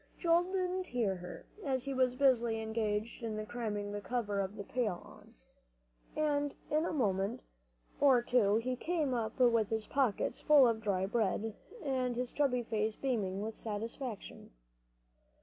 Joel didn't hear her, as he was busily engaged in cramming the cover on the pail, and in a minute or two he came up with his pockets full of dry bread, and his chubby face beaming with satisfaction.